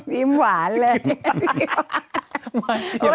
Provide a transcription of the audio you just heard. ยิ้มหวานเลย